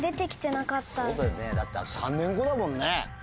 そうだよねだってあと３年後だもんね。